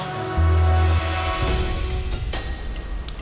ya udah yuk